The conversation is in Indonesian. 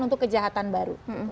untuk kejahatan baru